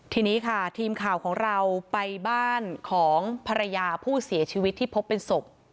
ทีนี้ค่ะทีมข่าวของเราไปบ้านของภรรยาผู้เสียชีวิตที่พบเป็นศพ